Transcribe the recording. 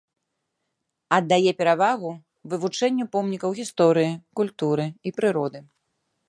Аддае перавагу вывучэнню помнікаў гісторыі, культуры і прыроды.